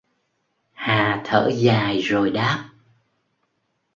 Hà thở dài rồi đáp